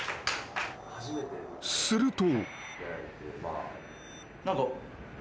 ［すると］